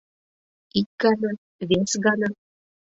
Ик гана, вес гана...